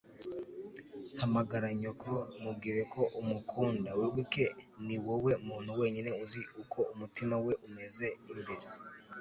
hamagara nyoko. mubwire ko umukunda. wibuke, ni wowe muntu wenyine uzi uko umutima we umeze imbere